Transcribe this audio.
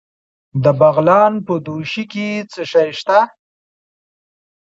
د بغلان په دوشي کې څه شی شته؟